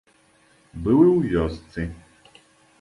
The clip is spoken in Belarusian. Быў і ў вёсцы.